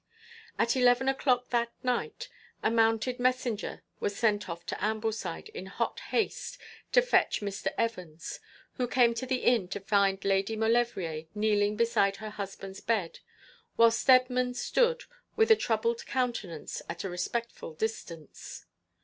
At eleven o'clock that night a mounted messenger was sent off to Ambleside in hot haste to fetch Mr. Evans, who came to the inn to find Lady Maulevrier kneeling beside her husband's bed, while Steadman stood with a troubled countenance at a respectful distance.